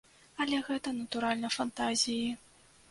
Але гэта, натуральна, фантазіі.